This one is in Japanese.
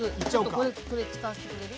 これ使わせてくれる？